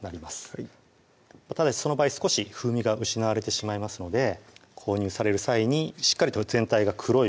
はいただしその場合少し風味が失われてしまいますので購入される際にしっかりと全体が黒いもの